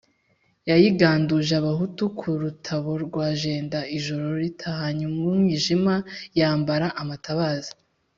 yayiganduje abahutu ku Rutabo rwa jenda, ijoro litahanye umwijima yambara amatabaza